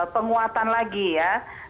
penguatan lagi ya